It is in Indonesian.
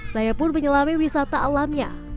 saya pun menyelami wisata alamnya